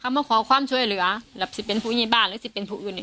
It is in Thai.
คำว่าขอความช่วยเหลือหรือสิทธิ์เป็นผู้อื่นในบ้านหรือสิทธิ์เป็นผู้อื่น